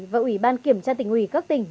và ủy ban kiểm tra tỉnh ủy các tỉnh